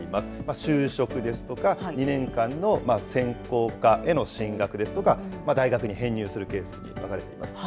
就職ですとか、２年間の専攻科への進学ですとか、大学に編入するケースに分かれています。